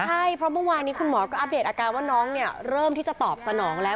ใช่เพราะเมื่อวานนี้คุณหมอก็อัปเดตอาการว่าน้องเนี่ยเริ่มที่จะตอบสนองแล้ว